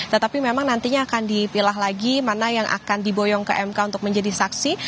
tetapi memang nantinya akan dipilah lagi mana yang akan diboyong ke mk untuk menjadi saksi